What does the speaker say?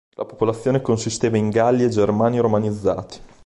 La popolazione consisteva in Galli e Germani romanizzati.